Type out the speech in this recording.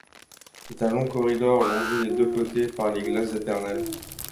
C'est un long corridor longé des deux côtés par les glaces éternelles.